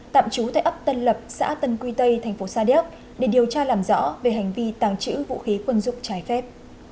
tạm trú tại ấp tân lập xã tân quy tây tp sa điếp để điều tra làm rõ về hành vi tàng trữ vũ khí quân dục trái phép